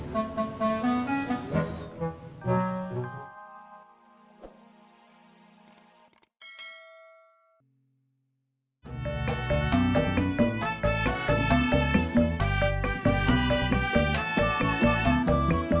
mas jangan mau naik dia